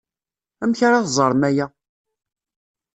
Amek ara teẓrem aya?